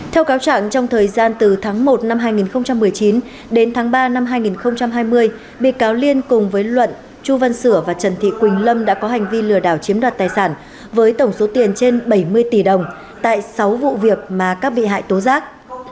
theo cáo trạng trong thời gian từ tháng một năm hai nghìn một mươi chín đến tháng ba năm hai nghìn hai mươi bị cáo liên cùng với luận chu văn sửa và trần thị quỳnh lâm đã có hành vi lừa đảo chiếm đoạt tài sản với tổng số tiền trên bảy mươi tỷ đồng tại sáu vụ việc mà các bị hại tố giác